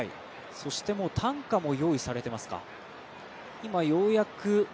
そして、担架も用意されてますか。